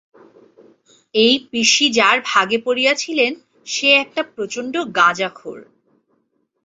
এই পিসি যার ভাগে পড়িয়াছিলেন সে একটা প্রচণ্ড গাঁজাখোর।